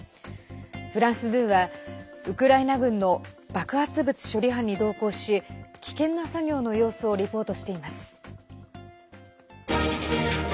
フランス２はウクライナ軍の爆発物処理班に同行し危険な作業の様子をリポートしています。